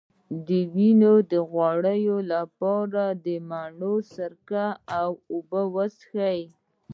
د وینې د غوړ لپاره د مڼې سرکه او اوبه وڅښئ